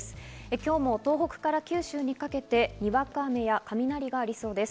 今日も東北から九州にかけて、にわか雨や雷がありそうです。